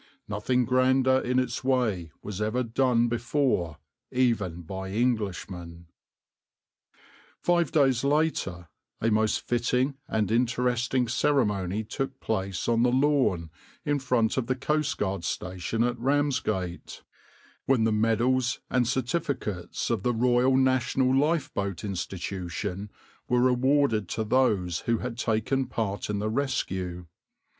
"Nothing grander in its way was ever done before, even by Englishmen."\par Five days later a most fitting and interesting ceremony took place on the lawn in front of the coastguard station at Ramsgate, when the medals and certificates of the Royal National Lifeboat Institution were awarded to those who had taken part in the rescue.